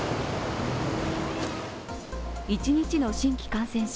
一日の新規感染者